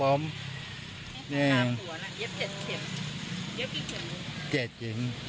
เก็บเจ็ดจริงเจ็ดเลยหรออืม